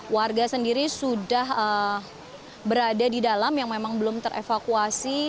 warga sendiri sudah berada di dalam yang memang belum terevakuasi